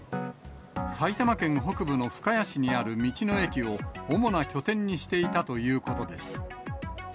埼玉県北部の深谷市にある道の駅を主な拠点にしていたということです。